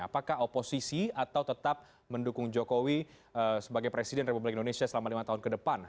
apakah oposisi atau tetap mendukung jokowi sebagai presiden republik indonesia selama lima tahun ke depan